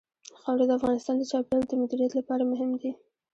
خاوره د افغانستان د چاپیریال د مدیریت لپاره مهم دي.